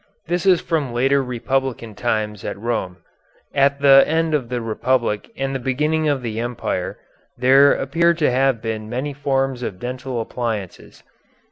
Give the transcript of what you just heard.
This is from later Republican times at Rome. At the end of the Republic and the beginning of the Empire there appear to have been many forms of dental appliances.